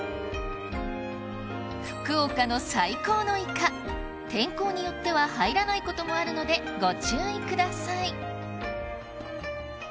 福岡の最高のイカ天候によっては入らないこともあるのでご注意ください